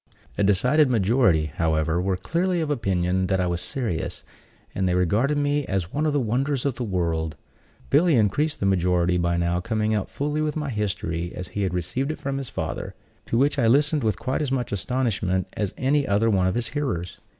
A decided majority, however, were clearly of opinion that I was serious; and they regarded me as one of the wonders of the world. Billy increased the majority by now coming out fully with my history, as he had received it from his father; to which I listened with quite as much astonishment as any other one of his hearers.